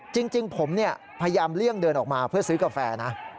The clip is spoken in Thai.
จริงผมพยายามเลี่ยงเดินออกมาเพื่อซื้อกาแฟนะ